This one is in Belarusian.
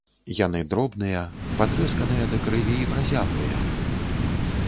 Яны дробныя, патрэсканыя да крыві і празяблыя.